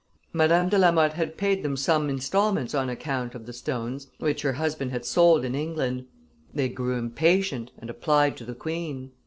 Madame de la Motte had paid them some instalments on account of the stones, which her husband had sold in England: they grew impatient and applied to the queen.